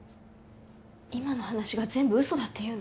今の話が全部嘘だっていうの？